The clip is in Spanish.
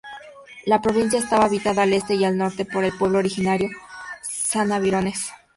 La Provincia estaba habitada al este y al norte por el pueblo originario Sanavirones.